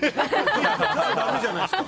じゃあだめじゃないですか。